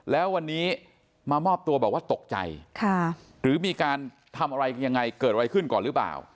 แล้ววันนี้มามอบตัวบอกว่าตกใจหรือมีการทำอะไรยังไงเกิดอะไรขึ้นก่อนหรือเปล่า